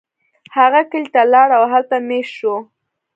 هغه کلی ته لاړ او هلته میشت شو.